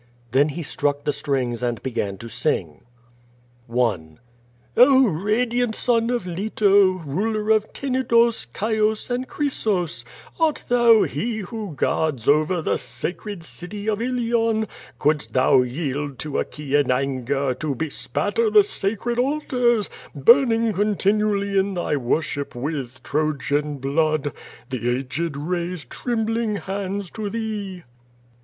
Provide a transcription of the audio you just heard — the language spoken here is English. Then he struck the strings and began to sing: 420 Q^O VADI8. I. "Oh, radiant son of Leto, Ruler of Tenedos, Chios and Chry'sos, Art thou he who guards over The sacred city of Ilion, Couldst thou yield to Achaian anger To bespatter the sacred altars Burning continually in thy worship With Trojan blood? The aged raise trembling hands to thee.